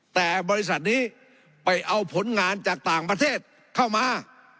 แต่บริษัทนี้ไปเอาผลงานจากต่างประเทศเข้ามา